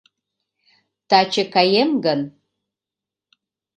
Таче каем гын